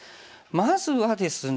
まずはですね